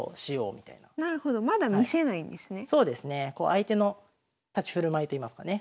相手の立ち振る舞いといいますかね